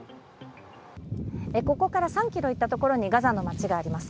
ここから３ｋｍ行ったところにガザの街があります。